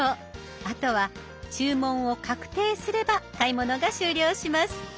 あとは注文を確定すれば買い物が終了します。